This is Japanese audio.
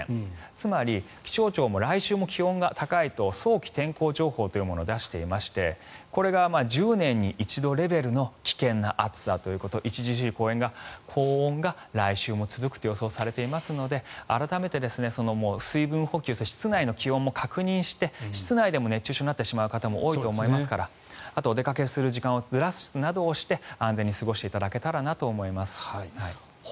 つまり気象庁も来週も気温が高いと早期天候情報というものを出していましてこれが１０年に一度レベルの危険な暑さということ著しい高温が来週も続くと予想されていますので改めて水分補給そして室内の気温も確認して室内でも熱中症になってしまう方も多いと思いますからあと、お出かけする時間をずらすなどして安全に過ごしていただけたらなと思います。